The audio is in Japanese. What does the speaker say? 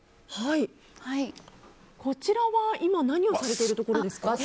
こちらは今何をされているところですか。